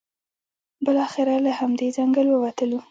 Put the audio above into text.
بالاخره له همدې ځنګل ووتلو.